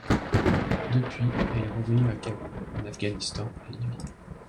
Depuis, elle est revenue à Kaboul, en Afghanistan, et y vit.